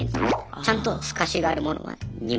ちゃんと透かしがあるものは２万円とか。